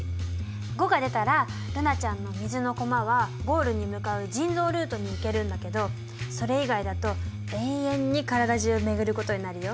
５が出たら瑠菜ちゃんの水のコマはゴールに向かう腎臓ルートに行けるんだけどそれ以外だと永遠に体じゅうを巡ることになるよ。